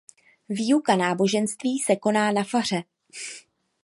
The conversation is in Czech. Výuka náboženství se koná na faře.